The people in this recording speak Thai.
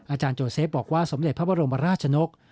อาจารย์โจทเซฟบอกว่าสมเด็จพระบรมราชนก